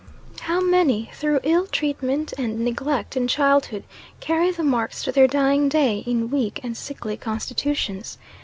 How many, through ill treatment and neglect in childhood, carry the marks to their dying day in weak and sickly constitutions!